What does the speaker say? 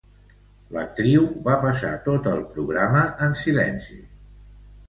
L'actriu va passar tot el programa en silenci.